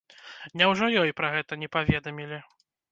Няўжо ёй пра гэта не паведамілі?